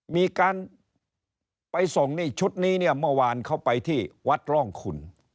มีการไปส่งนี่ชุดนี้เนี่ยเมื่อวานเข้าไปที่วัดร่องคุณ